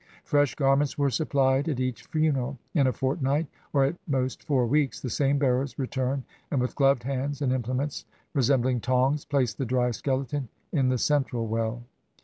Fresh garments were suppHed at each funeral. In a fortnight, or at most four weeks, the same bearers return, and with gloved hands and implements resem bling tongs, place the dry skeleton in the central well.